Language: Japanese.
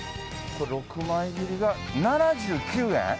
これ６枚切りが７９円。